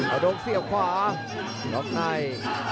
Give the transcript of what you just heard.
เอาดงเสียบขวาล็อกใน